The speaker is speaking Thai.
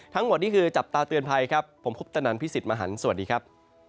ทั้งหมดนี่คือจับตาเตือนภัยครับผมคุปตนันพี่สิทธิ์มหันฯสวัสดีครับ